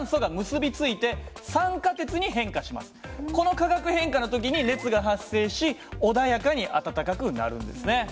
この化学変化の時に熱が発生し穏やかに温かくなるんですね。